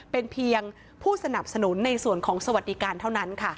เป็นเพียงผู้สนับสนุนในส่วนของสวัสดิการเท่านั้นค่ะ